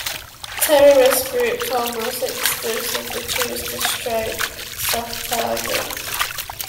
Terrorist groups almost exclusively choose to strike soft targets.